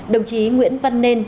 đồng chí nguyễn văn nên